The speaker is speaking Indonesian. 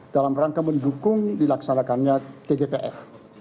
dalam rangka mendukung dilaksanakannya tgpf